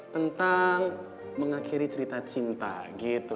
tentang mengakhiri cerita cinta gitu